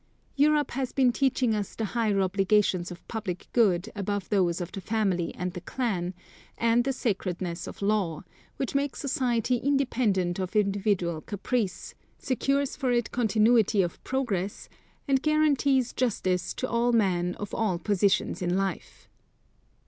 Europe has been teaching us the higher obligations of public good above those of the family and the clan, and the sacredness of law, which makes society independent of individual caprice, secures for it continuity of progress, and guarantees justice to all men of all positions in life.